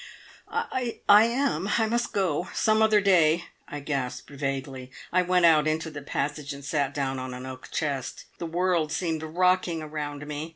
"I I am! I must go. Some other day," I gasped vaguely. I went out into the passage, and sat down on an oak chest. The world seemed rocking around me.